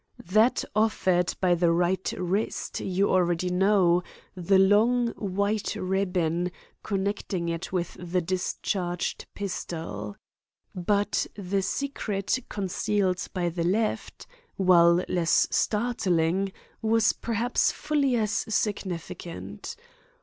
That offered by the right wrist you already know—the long white ribbon connecting it with the discharged pistol. But the secret concealed by the left, while less startling, was perhaps fully as significant.